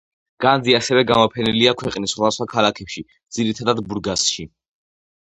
განძი ასევე გამოფენილია ქვეყნის სხვადასხვა ქალაქებში, ძირითადად ბურგასში.